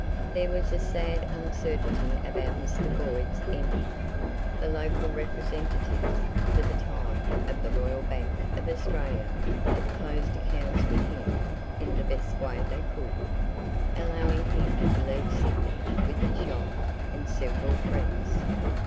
There was a sad uncertainty about Mr. Boyd's ending. The local representatives, for the time, of the Royal Bank of Australia had closed accounts with him in the best way they could, allowing him to leave Sydney with his yacht and several friends.